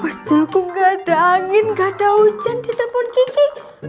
mas dulu tidak ada angin tidak ada hujan di telpon gigi